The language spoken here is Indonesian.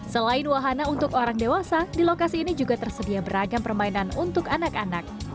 selain wahana untuk orang dewasa di lokasi ini juga tersedia beragam permainan untuk anak anak